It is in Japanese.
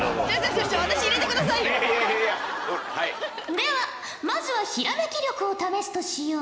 ではまずはひらめき力を試すとしよう。